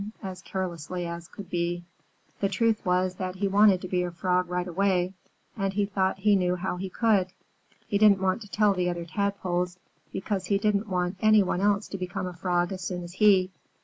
as carelessly as could be. The truth was that he wanted to be a Frog right away, and he thought he knew how he could be. He didn't want to tell the other Tadpoles because he didn't want any one else to become a Frog as soon as he.